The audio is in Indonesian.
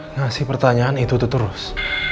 ngasih pertanyaan itu terus